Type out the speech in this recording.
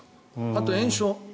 あとは炎症。